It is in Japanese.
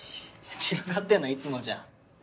散らかってんのはいつもじゃん。